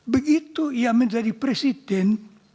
begitu ia menjadi presiden